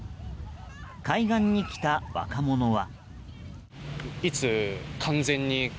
海岸に来た若者は。